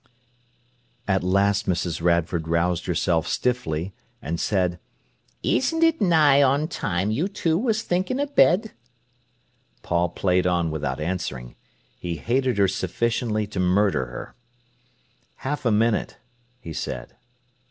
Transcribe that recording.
At last Mrs. Radford roused herself stiffly, and said: "Isn't it nigh on time you two was thinking o' bed?" Paul played on without answering. He hated her sufficiently to murder her. "Half a minute," he said.